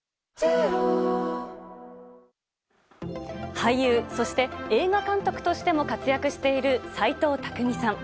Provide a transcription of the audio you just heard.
俳優、そして映画監督としても活躍している斎藤工さん。